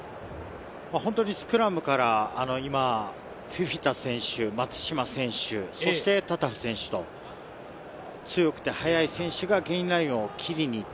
本当にスクラムからフィフィタ選手、松島選手、そしてタタフ選手と強くて速い選手がゲインラインを切りに行った。